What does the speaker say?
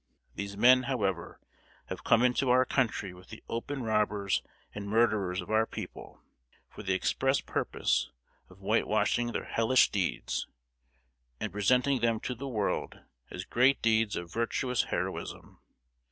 These men, however, have come into our country with the open robbers and murderers of our people, for the express purpose of whitewashing their hellish deeds, and presenting them to the world as great deeds of virtuous heroism.